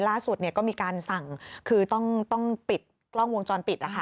ล่าสุดก็มีการสั่งคือต้องปิดกล้องวงจรปิด